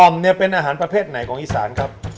เนี่ยเป็นอาหารประเภทไหนของอีสานครับ